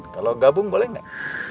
kalau gabung boleh nggak